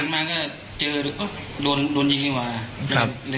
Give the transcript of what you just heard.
คันมาก็เจอแล้วก็โดนยิงดีกว่า